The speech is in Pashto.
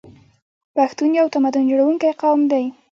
پښتون یو تمدن جوړونکی قوم دی.